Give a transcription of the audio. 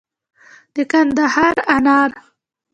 د کندهار انار